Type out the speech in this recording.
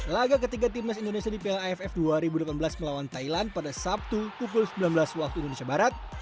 laga ketiga timnas indonesia di plaff dua ribu delapan belas melawan thailand pada sabtu pukul sembilan belas waktu indonesia barat